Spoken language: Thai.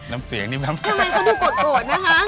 น้ำเสียงนิดนึงทำไมเขาดูโกดนะคะ